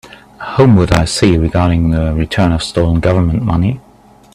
Whom would I see regarding the return of stolen Government money?